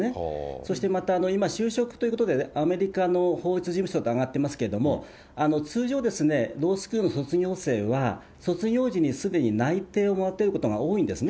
そしてまた、今、就職ということで、アメリカの法律事務所が挙がってますけれども、通常、ロースクールの卒業生は、卒業時にすでに内定をもらってることが多いんですね。